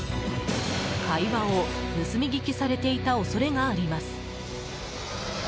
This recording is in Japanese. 会話を盗み聞きされていた恐れがあります。